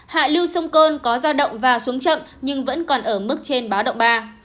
hạ lưu sông côn có giao động và xuống chậm nhưng vẫn còn ở mức trên báo động ba